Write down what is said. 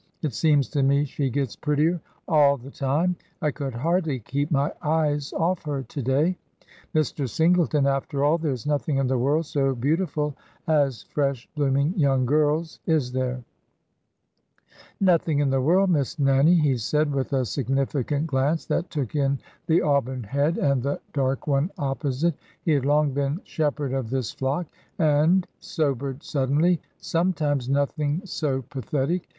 It seems to me she gets prettier all the time. I could hardly keep my eyes off her to day. Mr. Singleton, after all, there is nothing in the world so beautiful as fresh, blooming young girls, is there ?".'' Nothing in the world. Miss Nannie," he said, with a significant glance that took in the auburn head and the dark one opposite~he had long been shepherd of this flock ;'' and "—sobered suddenly—'' sometimes nothing so pathetic.